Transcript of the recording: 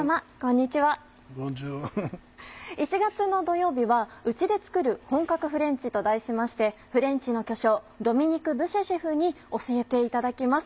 １月の土曜日はうちで作る本格フレンチと題しましてフレンチの巨匠ドミニク・ブシェシェフに教えていただきます。